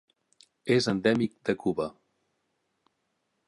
És endèmic de Cuba.